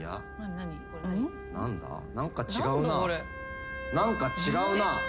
何か違うな何か違うな！